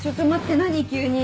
何急に。